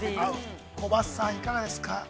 ◆コバさん、いかがですか。